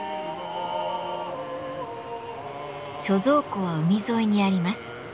貯蔵庫は海沿いにあります。